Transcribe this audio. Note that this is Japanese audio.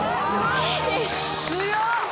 強っ。